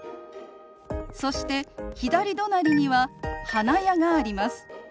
そして左隣には花屋があります。